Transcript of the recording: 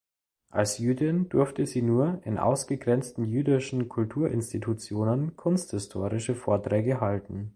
Als Jüdin durfte sie nur in ausgegrenzten jüdischen Kulturinstitutionen kunsthistorische Vorträge halten.